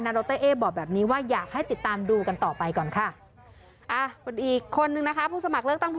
ดรเอ๊บอกแบบนี้ว่าอยากให้ติดตามดูกันต่อไปก่อนค่ะ